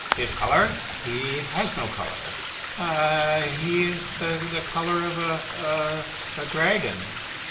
"His colour? He has no colour." "He is the colour of a dragon."